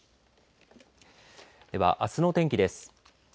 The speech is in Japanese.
ではあすの天気です。